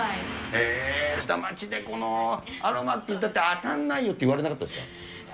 へえ、下町でこのアロマって、あたんないよって言われなかったですか？